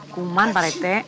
kuman pak rete